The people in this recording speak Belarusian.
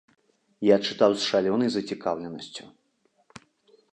Я чытаў з шалёнай зацікаўленасцю.